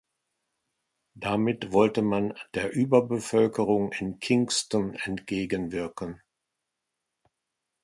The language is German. Damit wollte man der Überbevölkerung in Kingston entgegenwirken.